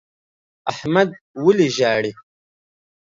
احمد ولي ژاړي؟